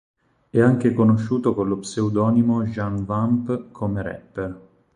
È anche conosciuto con lo pseudonimo Jeune Vamp come rapper.